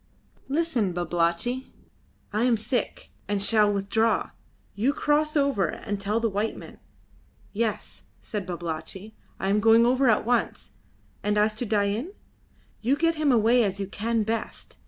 "Listen, Babalatchi: I am sick, and shall withdraw; you cross over and tell the white men." "Yes," said Babalatchi, "I am going over at once; and as to Dain?" "You get him away as you can best.